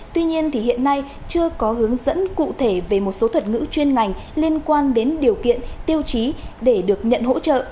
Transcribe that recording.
tuy nhiên hiện nay chưa có hướng dẫn cụ thể về một số thuật ngữ chuyên ngành liên quan đến điều kiện tiêu chí để được nhận hỗ trợ